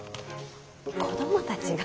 子供たちが。